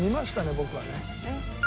僕はね」